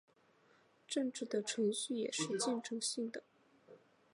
政治的程序也是竞争性的。